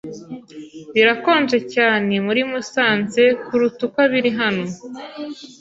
Birakonje cyane muri Musanze kuruta uko biri hano.